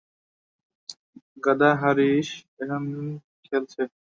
গাদা হরিশ এখন খেলছে।